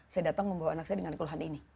saya datang membawa anak saya dengan keluhan ini